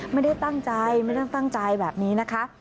ไม่ได้ตั้งใจไม่ได้ตั้งใจแบบนี้นะคะ